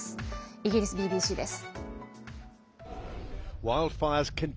イギリスＢＢＣです。